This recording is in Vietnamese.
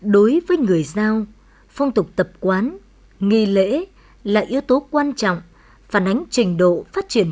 đối với người giao phong tục tập quán nghi lễ là yếu tố quan trọng phản ánh trình độ phát triển